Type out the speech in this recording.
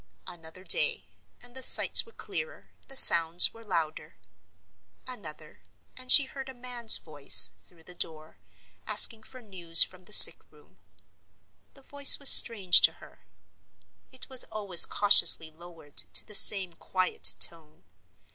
Another day—and the sights were clearer, the sounds were louder. Another—and she heard a man's voice, through the door, asking for news from the sick room. The voice was strange to her; it was always cautiously lowered to the same quiet tone.